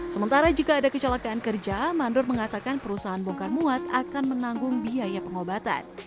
sementara jika ada kecelakaan kerja mandor mengatakan perusahaan bongkar muat akan menanggung biaya pengobatan